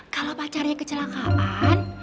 kalau pacarnya kecelakaan